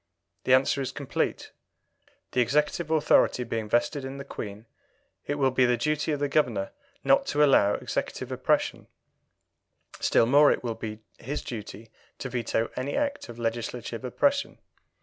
The answer is complete. The executive authority being vested in the Queen, it will be the duty of the Governor not to allow executive oppression; still more will it be his duty to veto any act of legislative oppression.